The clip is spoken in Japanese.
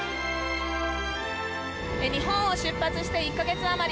日本を出発して１か月あまり。